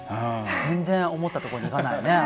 全然思ったところにいかない。